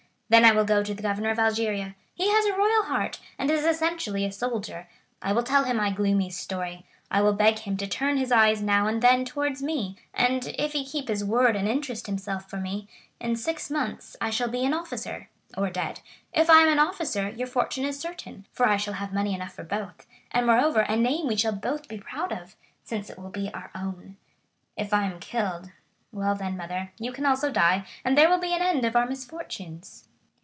Then I will go to the governor of Algeria; he has a royal heart, and is essentially a soldier; I will tell him my gloomy story. I will beg him to turn his eyes now and then towards me, and if he keep his word and interest himself for me, in six months I shall be an officer, or dead. If I am an officer, your fortune is certain, for I shall have money enough for both, and, moreover, a name we shall both be proud of, since it will be our own. If I am killed—well then mother, you can also die, and there will be an end of our misfortunes."